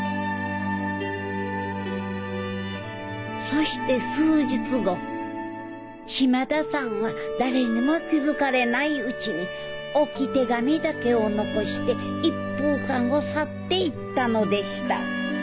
そして数日後島田さんはだれにも気づかれないうちに置き手紙だけを残して一風館を去っていったのでした。